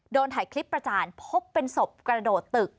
ถ่ายคลิปประจานพบเป็นศพกระโดดตึก